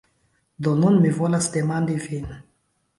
Do, nun mi volas demandi vin